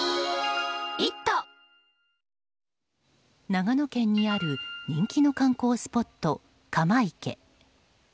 長野県にある人気の観光スポット、鎌池。